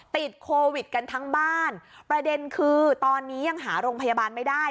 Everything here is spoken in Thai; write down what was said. ติดโควิดกันทั้งบ้านประเด็นคือตอนนี้ยังหาโรงพยาบาลไม่ได้